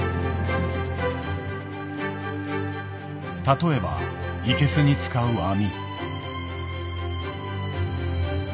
例えばイケスに使う網。